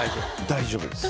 大丈夫です。